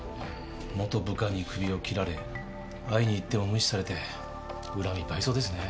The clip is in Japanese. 元部下にクビを切られ会いに行っても無視されて恨み倍増ですね。